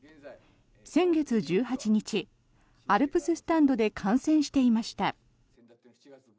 先月１８日、アルプススタンドで観戦していました。